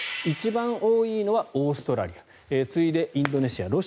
一番多いのはオーストラリア次いでインドネシア。